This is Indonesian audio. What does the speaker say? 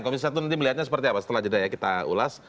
komisi satu nanti melihatnya seperti apa setelah jeda ya kita ulas